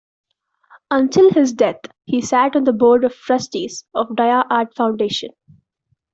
Until his death, he sat on the Board of Trustees of Dia Art Foundation.